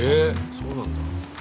そうなんだ。